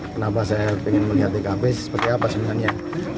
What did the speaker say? kenapa saya ingin melihat tkp seperti apa sebenarnya